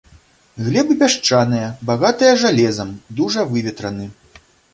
Глебы пясчаныя, багатыя жалезам, дужа выветраны.